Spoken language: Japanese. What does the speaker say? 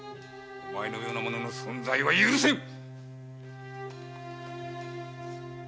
お前のような者の存在は許せん。